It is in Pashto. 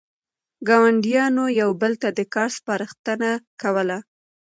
ګاونډیانو یو بل ته د کار سپارښتنه کوله.